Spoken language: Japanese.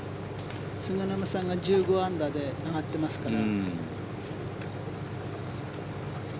菅沼さんが１５アンダーで上がっていますから。